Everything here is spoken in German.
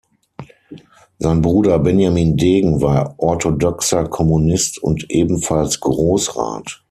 Sein Bruder Benjamin Degen war orthodoxer Kommunist und ebenfalls Grossrat.